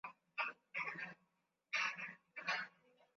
Kisiwa changuu ni kisiwa kidogo kinachopatikana visiwani zanzibar